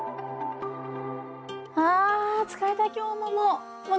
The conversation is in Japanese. ああ疲れた今日ももう。